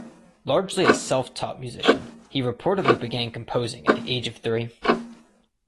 Largely a self-taught musician, he reportedly began composing at the age of three.